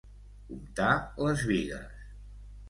Comptar les bigues.